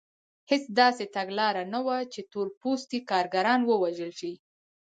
هېڅ داسې تګلاره نه وه چې تور پوستي کارګران وروزل شي.